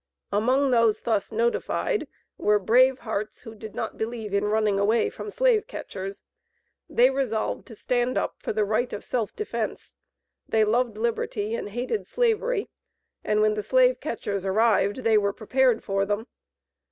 Among those thus notified, were brave hearts, who did not believe in running away from slave catchers. They resolved to stand up for the right of self defence. They loved liberty and hated Slavery, and when the slave catchers arrived, they were prepared for them.